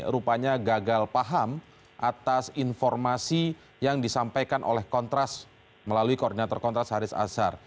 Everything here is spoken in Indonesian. rupanya gagal paham atas informasi yang disampaikan oleh kontras melalui koordinator kontras haris azhar